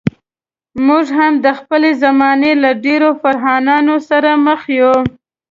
موږ هم د خپلې زمانې له ډېرو فرعونانو سره مخ یو.